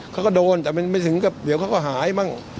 เขาก็โดนแต่ไม่ถึงเหลือเขาก็หายบ้าง